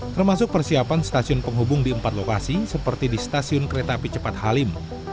termasuk persiapan stasiun penghubung di empat lokasi seperti di stasiun kereta api cepat halim